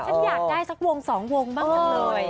ฉันอยากได้สักวงสองวงบ้างจังเลย